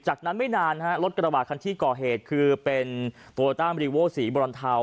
จากนั้นไม่นานฮะรถกระบาดคันที่ก่อเหตุคือเป็นโตโยต้ามรีโว้สีบรอนเทา